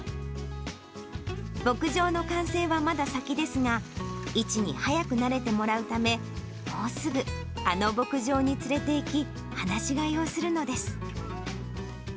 牧場の完成はまだ先ですが、イチに早く慣れてもらうため、もうすぐあの牧場に連れていき、放し飼いをするのです。